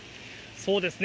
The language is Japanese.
そうですね。